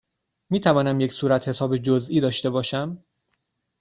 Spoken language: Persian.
می توانم یک صورتحساب جزئی داشته باشم؟